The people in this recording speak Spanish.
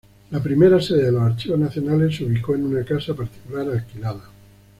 La primera sede de los Archivos Nacionales se ubicó en una casa particular alquilada.